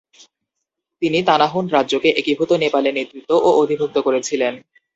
তিনি তানাহুন রাজ্যকে একীভূত নেপালে নেতৃত্ব ও অধিভুক্ত করেছিলেন।